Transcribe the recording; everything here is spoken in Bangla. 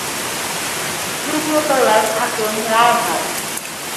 তৃতীয় তলায় থাকেন রায়হান।